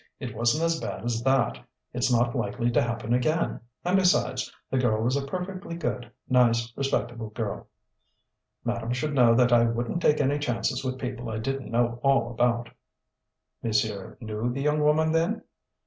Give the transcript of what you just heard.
"It wasn't as bad as that. It's not likely to happen again ... and besides, the girl was a perfectly good, nice, respectable girl. Madame should know that I wouldn't take any chances with people I didn't know all about." "Monsieur knew the young woman, then?"